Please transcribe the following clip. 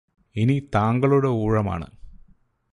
ഇതി താങ്കളുടെ ഊഴമാണ്